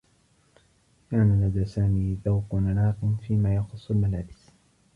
كان لدى سامي ذوق راق في ما يخصّ الملابس.